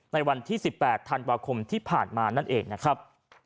ในวันที่๑๘ธันวาคมที่ผ่านมานั่นเองนะครับ